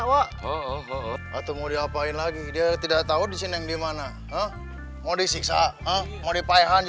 oh atau mau diapain lagi dia tidak tahu di sini dimana mau disiksa ah mau dipayahan